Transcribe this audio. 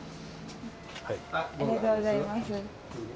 ありがとうございます。